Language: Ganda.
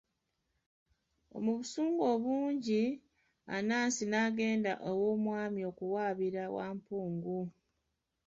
Mu busungu obungi, Anansi n'agenda ew'omwami okuwaabira Wampungu.